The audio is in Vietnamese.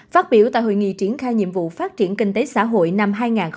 phát biểu tại hội nghị triển khai nhiệm vụ phát triển kinh tế xã hội năm hai nghìn hai mươi